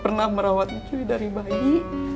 pernah merawat lucu dari bayi